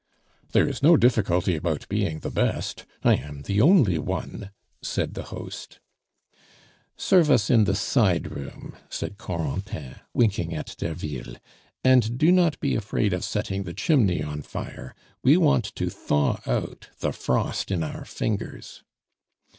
"There is no difficulty about being the best I am the only one," said the host. "Serve us in the side room," said Corentin, winking at Derville. "And do not be afraid of setting the chimney on fire; we want to thaw out the frost in our fingers."